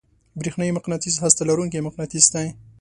برېښنايي مقناطیس هسته لرونکی مقناطیس دی.